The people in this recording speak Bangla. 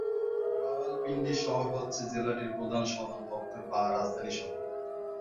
রাওয়ালপিন্ডি শহর হচ্ছে জেলাটির প্রধান সদর দপ্তর বা রাজধানী শহর।